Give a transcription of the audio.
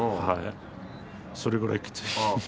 それぐらいきつい。